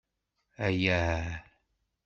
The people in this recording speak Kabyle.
Ayaa!